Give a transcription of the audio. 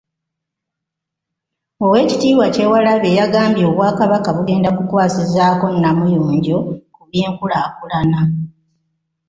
Oweekitiibwa Kyewalabye yagambye Obwakabaka bugenda kukwasizaako Namuyonjo ku by'enkulaakulana.